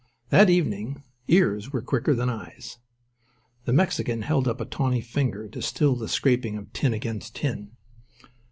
That evening ears were quicker than eyes. The Mexican held up a tawny finger to still the scraping of tin against tin.